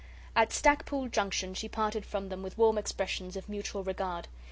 At Stacklepoole Junction she parted from them with warm expressions of mutual regard.